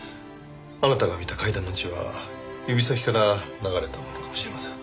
あなたが見た階段の血は指先から流れたものかもしれません。